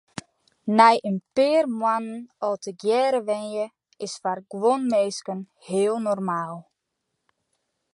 Nei in pear moannen al tegearre wenje is foar guon minsken heel normaal.